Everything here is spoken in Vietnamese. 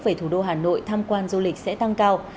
về thủ đô hà nội tham quan du lịch sẽ tăng cao